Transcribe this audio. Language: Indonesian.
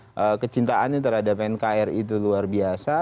jadi kecintaannya terhadap nkri itu luar biasa